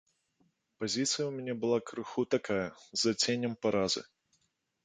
Пазіцыя ў мне была крыху такая, з адценнем паразы.